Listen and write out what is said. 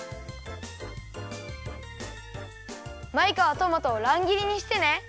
マイカはトマトをらんぎりにしてね。